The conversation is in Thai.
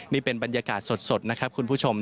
นี่เป็นบรรยากาศสดนะครับคุณผู้ชม